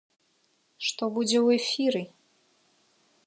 Што будзе ў эфіры?